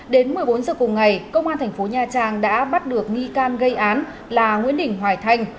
đến một mươi bốn giờ cùng ngày công an thành phố nha trang đã bắt được nghi can gây án là nguyễn đình hoài thanh